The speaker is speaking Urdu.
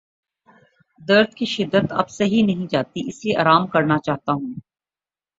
درد کی شدت اب سہی نہیں جاتی اس لیے آرام کرنا چاہتا ہوں۔